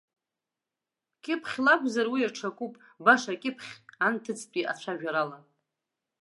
Кьыԥхьла акәзар, уи аҽакуп, баша акьыԥхь анҭыҵтәи ацәажәарала.